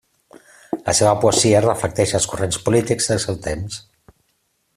La seva poesia reflecteix els corrents polítics del seu temps.